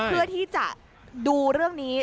เพื่อที่จะดูเรื่องนี้